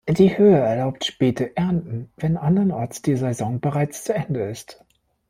Die Höhe erlaubt späte Ernten, wenn andernorts die Saison bereits zu Ende ist.